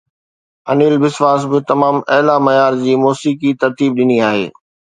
انيل بسواس پڻ تمام اعليٰ معيار جي موسيقي ترتيب ڏني آهي.